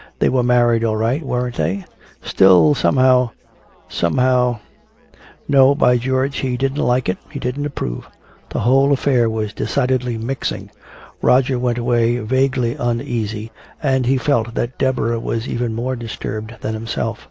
They were married all right, weren't they? Still somehow somehow no, by George, he didn't like it, he didn't approve! The whole affair was decidedly mixing. Roger went away vaguely uneasy, and he felt that Deborah was even more disturbed than himself.